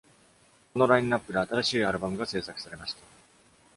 このラインナップで、新しいアルバムが製作されました。